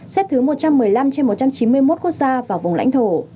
xếp thứ một trăm một mươi năm trên một trăm chín mươi một quốc gia và vùng lãnh thổ